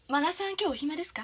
今日お暇ですか？